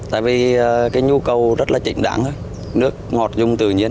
tại vì cái nhu cầu rất là chỉnh đáng nước ngọt dùng tự nhiên